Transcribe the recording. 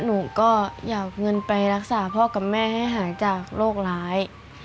หนูก็อยากเงินไปรักษาพ่อกับแม่ให้หายจากโรคร้าย